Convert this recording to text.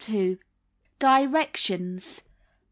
Directions: 1.